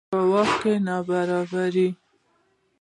په واک کې نابرابري.